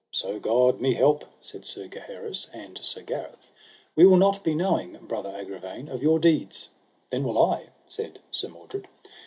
So God me help, said Sir Gaheris and Sir Gareth, we will not be knowing, brother Agravaine, of your deeds. Then will I, said Sir Mordred.